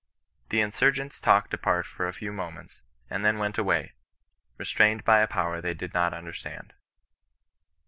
The insurgents talked apart for a few moments, and then went away, restrained by a Power they did not understand.